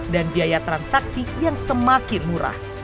dan biaya transaksi yang semakin murah